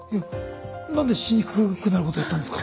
何でしにくくなることやったんですか？